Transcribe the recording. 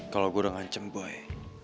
kalo gua udah ngancem boy